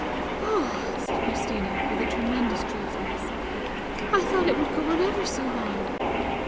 "Oh!" said Christina, with a tremulous joyfulness; "I thought it would go on ever so long!"